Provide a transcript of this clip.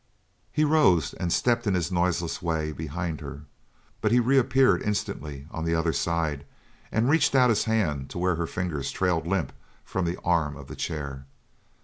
He rose and stepped in his noiseless way behind her, but he reappeared instantly on the other side, and reached out his hand to where her fingers trailed limp from the arm of the chair.